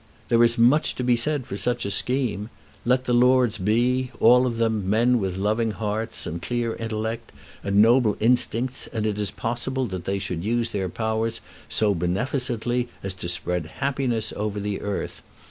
There is much to be said for such a scheme. Let the lords be, all of them, men with loving hearts, and clear intellect, and noble instincts, and it is possible that they should use their powers so beneficently as to spread happiness over the earth.